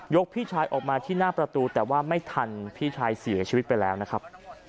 พี่ชายออกมาที่หน้าประตูแต่ว่าไม่ทันพี่ชายเสียชีวิตไปแล้วนะครับ